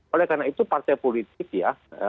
oleh karena itu partai politik ya